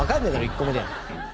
１個目で。